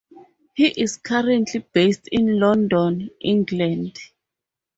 He is currently based in London, England.